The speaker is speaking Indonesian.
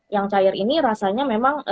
yang cair ini rasanya memang